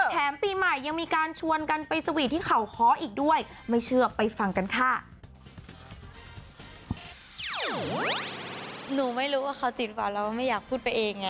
หนูไม่รู้ว่าเขาจีบหรือเปล่าเราไม่อยากพูดไปเอง